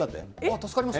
助かります。